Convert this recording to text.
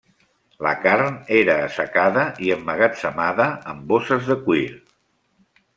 La carn era assecada i emmagatzemada en bosses de cuir.